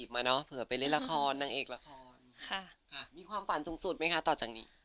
มีความฝันสูงสุดมั้ยค่ะต่อจากนี้